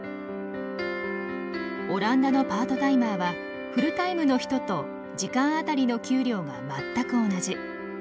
オランダのパートタイマーはフルタイムの人と時間あたりの給料が全く同じ。